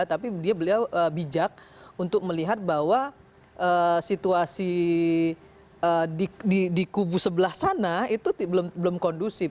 tapi beliau bijak untuk melihat bahwa situasi di kubu sebelah sana itu belum kondusif